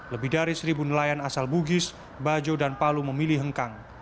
lebih dari seribu nelayan asal bugis bajo dan palu memilih hengkang